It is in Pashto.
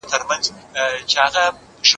که موږ ویښ نه شو نو دښمن مو ماتوي.